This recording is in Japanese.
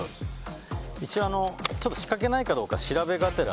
一応仕掛けがないか調べがてら。